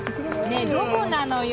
ねえどこなのよ。